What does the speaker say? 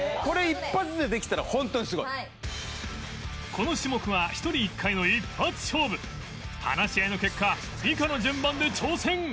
この種目は１人１回の一発勝負話し合いの結果以下の順番で挑戦！